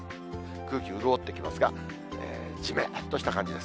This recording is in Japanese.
空気潤ってきますが、じめっとした感じです。